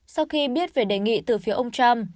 sau khi biết về đề nghị từ phía ông trump